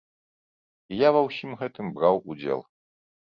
І я ва ўсім гэтым браў удзел.